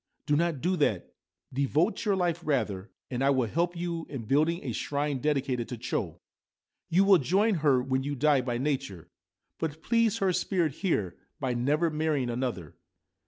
4 Do not do that ; devote your life, rather, and I will help with you in building a shrine dedicated to Cho. You will join her when you die by nature ; but please her spirit here by never marrying another.'